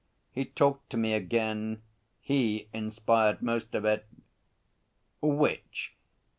He talked to me again. He inspired most of it.' 'Which?